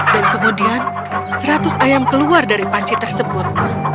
kemudian seratus ayam keluar dari panci tersebut